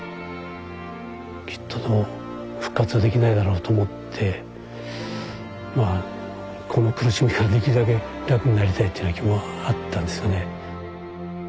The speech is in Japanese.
きっとでも復活はできないだろうと思ってこの苦しみからできるだけ楽になりたいっていうような気もあったんですがね。